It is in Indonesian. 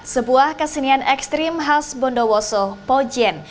sebuah kesenian ekstrim khas bondowoso pojen